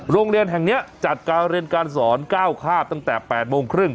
โรงเรียนแห่งนี้จัดการเรียนการสอน๙คาบตั้งแต่๘โมงครึ่ง